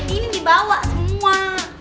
ini dibawa semua